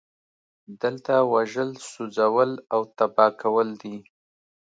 دلته وژل سوځول او تباه کول دي